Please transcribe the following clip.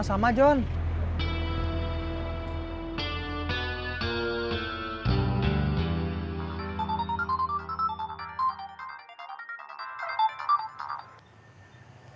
apakah di dunia menteri